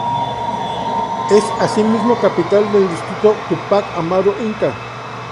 Es asimismo capital del distrito de Tupac Amaru Inca.